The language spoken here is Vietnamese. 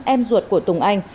em ruột của tùng anh